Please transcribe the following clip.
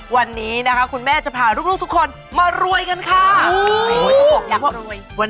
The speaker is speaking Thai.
ขอต้อนรับคุณผู้ชมเข้าสู่รายการ